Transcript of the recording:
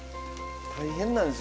大変なんですよ